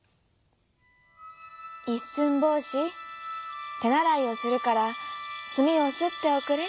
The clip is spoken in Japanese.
「いっすんぼうしてならいをするからすみをすっておくれ」。